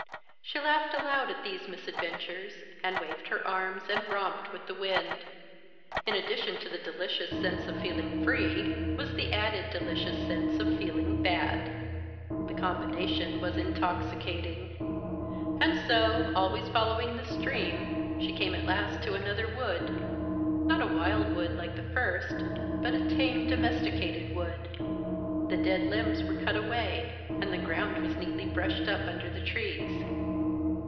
She laughed aloud at these misadventures, and waved her arms and romped with the wind. In addition to the delicious sense of feeling free, was added the delicious sense of feeling bad. The combination was intoxicating. And so, always following the stream, she came at last to another wood not a wild wood like the first, but a tame, domesticated wood. The dead limbs were cut away, and the ground was neatly brushed up under the trees.